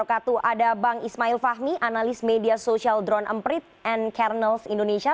ada bang ismail fahmi analis media sosial drone emprit and kernels indonesia